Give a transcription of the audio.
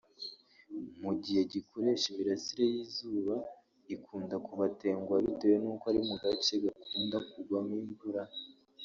mu gihe gikoresha imirasire y’izuba ikunda kubatenguha bitewe n’uko ari mu gace gakunda kugwamo imvura